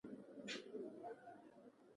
دا برخه یو کال وخت نیسي.